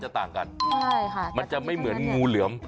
จะต่างกันจะต่างกันมันจะไม่เหมือนงูเหลือม